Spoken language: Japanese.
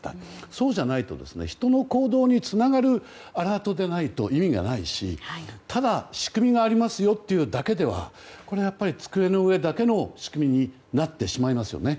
そうじゃないと、人の行動につながるアラートでないと意味がないしただ仕組みがありますってだけではこれはやっぱり机の上だけの仕組みになってしまいますよね。